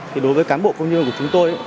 nhưng đối với các cán bộ phông nhiên của chúng tôi